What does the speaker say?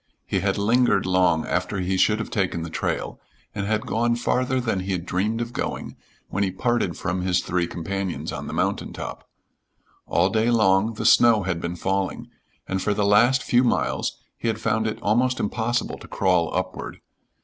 He had lingered long after he should have taken the trail and had gone farther than he had dreamed of going when he parted from his three companions on the mountain top. All day long the snow had been falling, and for the last few miles he had found it almost impossible to crawl upward.